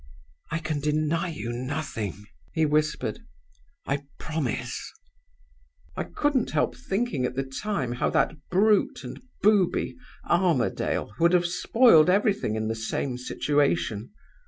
'I can deny you nothing,' he whispered; 'I promise.' He went on and left me. I couldn't help thinking at the time how that brute and booby Armadale would have spoiled everything in the same situation.